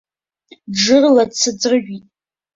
Џырла дсыӡрыжәит.